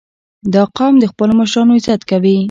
• دا قوم د خپلو مشرانو عزت کوي.